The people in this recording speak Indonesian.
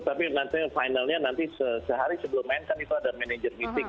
tapi nanti finalnya nanti sehari sebelum main kan itu ada manajer meeting